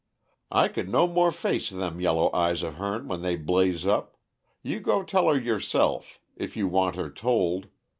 "I could no more face them yellow eyes of hern when they blaze up you go tell her yourself, if you want her told.